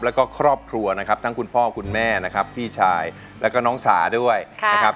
แล้วก็ครอบครัวนะครับทั้งคุณพ่อคุณแม่นะครับพี่ชายแล้วก็น้องสาด้วยนะครับ